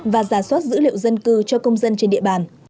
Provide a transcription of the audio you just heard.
và giả soát dữ liệu dân cư cho công dân trên địa bàn